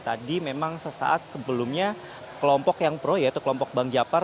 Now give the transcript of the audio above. tadi memang sesaat sebelumnya kelompok yang pro yaitu kelompok bang japar